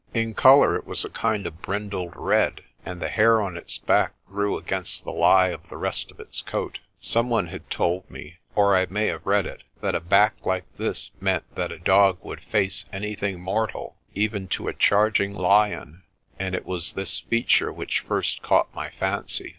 In colour it was a kind of brindled red, and the hair on its back grew against the lie of the rest of its coat. Some one had told me, or I may have read it, that a back like this meant that a dog would face anything mortal, even to a charging lion, and it was this feature which first caught my fancy.